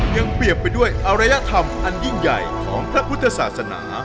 ยังเปรียบไปด้วยอรยธรรมอันยิ่งใหญ่ของพระพุทธศาสนา